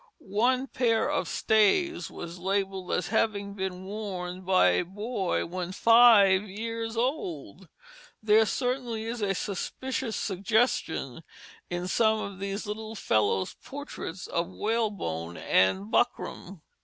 One pair of stays was labelled as having been worn by a boy when five years old. There certainly is a suspicious suggestion in some of these little fellows' portraits of whalebone and buckram.